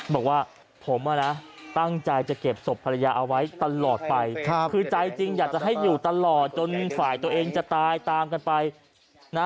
บอกว่าผมอ่ะนะตั้งใจจะเก็บศพภรรยาเอาไว้ตลอดไปคือใจจริงอยากจะให้อยู่ตลอดจนฝ่ายตัวเองจะตายตามกันไปนะ